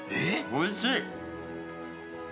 おいしい！